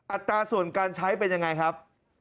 อัตราส่วนการใช้เป็นยังไงครับ